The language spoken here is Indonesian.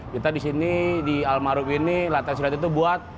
kita di sini di almarhum ini latihan surat itu buat